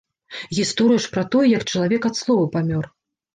Гісторыя ж пра тое, як чалавек ад слова памёр!